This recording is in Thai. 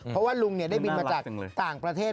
เพราะว่าลุงได้บินมาจากต่างประเทศ